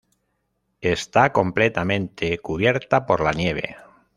Está completamente cubierta por la nieve.